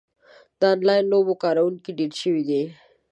د انلاین لوبو کاروونکي ډېر شوي دي.